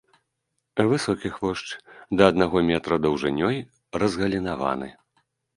Высокі хвошч, да аднаго метра даўжынёй, разгалінаваны.